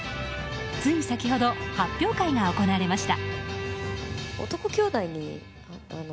つい先ほど発表会が行われました。